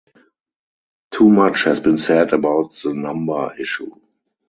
Too much has been said about the number issue.